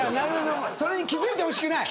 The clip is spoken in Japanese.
それに気付いてほしくない？